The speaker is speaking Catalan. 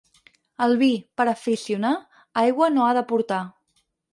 El vi, per aficionar, aigua no ha de portar.